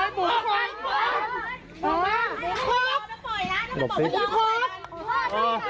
ปล่อยปล่อย